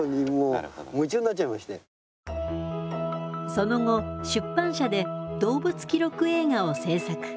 その後出版社で動物記録映画を制作。